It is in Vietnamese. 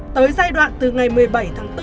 tới giai đoạn từ ngày một mươi bảy tháng bốn